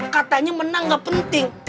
katanya menang gak penting